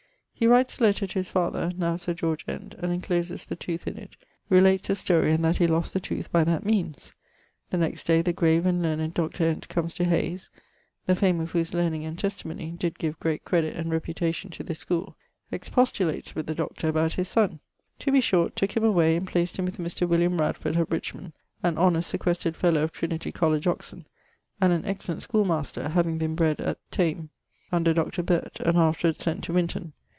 He writes a letter to his father (now Sir George Ent) and incloses the tooth in it; relates the story and that he lost the tooth by that meanes. The next day the grave and learned Dr. Ent comes to Hayes (the fame of whose learning and testimonie did give great credit and reputation to this schoole); expostulates with the doctor about his sonne. To be short, tooke him away, and placed him with Mr. William Radford at Richmond (an honest sequestred fellow of Trinity College, Oxon, and an excellent schoolmaster, having been bred at Thame under Dr. Birt and afterwards sent to Winton.)